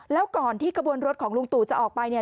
แล้วก่อนที่กระบวนรถของลุงตู่จะออกไปเนี่ย